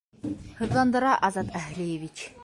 Һыҙҙандыра, Азат Әһлиевич...